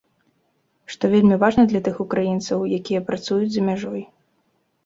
Што вельмі важна для тых украінцаў, якія працуюць за мяжой.